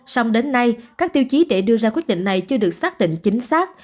xong đến nay các tiêu chí để đưa ra quyết định này chưa được xác định chính xác